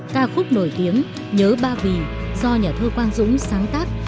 ca khúc nổi tiếng nhớ ba vì do nhà thơ quang dũng sáng tác